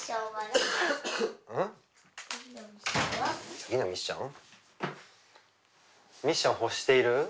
次のミッション？